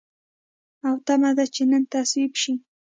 او تمه ده چې نن تصویب شي.